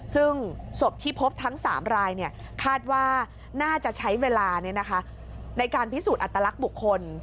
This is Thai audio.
ซึ่งศพที่พบทั้ง๓รายคาดว่าน่าจะใช้เวลาในการพิสูจน์อัตลักษณ์บุคคล